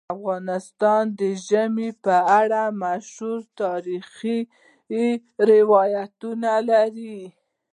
افغانستان د ژمی په اړه مشهور تاریخی روایتونه لري.